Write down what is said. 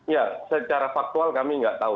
ya secara faktual kami nggak tahu